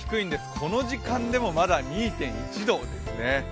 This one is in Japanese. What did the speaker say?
この時間でも、まだ２．１度ですね。